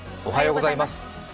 おはようございます。